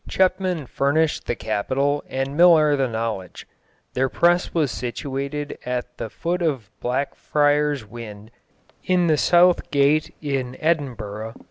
Chepman furnished the capital and Myllar the knowledge. Their press was situated at the foot of Blackfriars Wynd in the Southgate in Edinburgh.